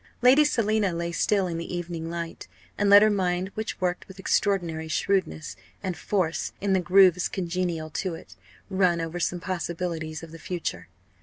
Lady Selina lay still in the evening light, and let her mind, which worked with extraordinary shrewdness and force in the grooves congenial to it, run over some possibilities of the future.